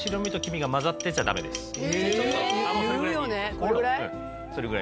これぐらい？